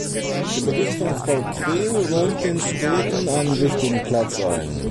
Der Bericht von Frau Krehl räumt den Städten einen wichtigen Platz ein.